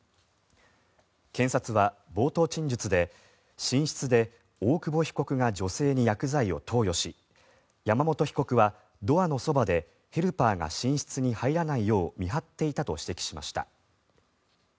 検察は、冒頭陳述で寝室で大久保被告が女性に薬剤を投与し山本被告はドアのそばでヘルパーが寝室に入らないよう見張っていたと指摘しました。